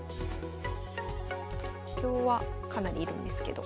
東京はかなりいるんですけど。